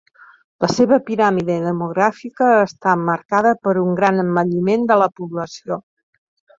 La seva piràmide demogràfica està marcada per un gran envelliment de la població.